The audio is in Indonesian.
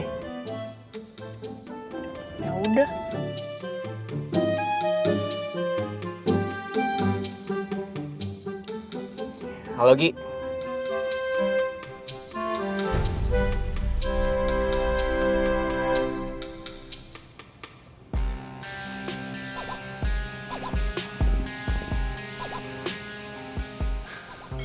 intinya gue pesankan kasih ama cassano di jika punya